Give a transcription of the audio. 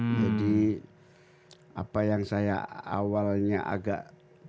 jadi apa yang saya awalnya agak